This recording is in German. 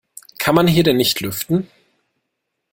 Kann man hier denn nicht lüften?